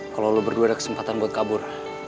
kalau lo berdua ada kesempatan buat kabur